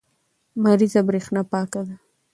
لمریزه برېښنا پاکه ده.